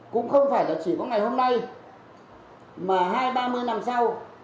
cũng không phải là chỉ có ngày hôm nay mà hai ba mươi năm sau